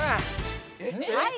「はい。